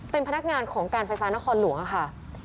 เป็นพนักงานของการไฟฟ้านครหลวงค่ะ